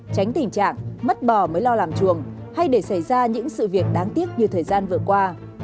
tránh tình trạng mất bò mới lo làm chuồng hay để xảy ra những sự việc đáng tiếc như thời gian vừa qua